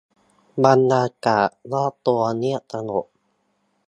บรรยากาศรอบตัวเงียบสงบ